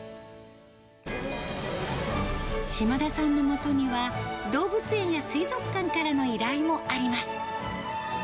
島田さんのもとには、動物園や水族館からの依頼もあります。